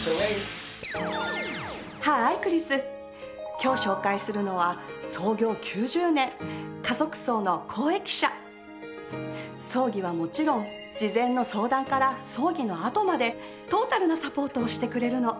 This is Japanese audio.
今日紹介するのは葬儀はもちろん事前の相談から葬儀のあとまでトータルなサポートをしてくれるの。